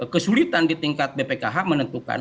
kesulitan di tingkat bpkh menentukan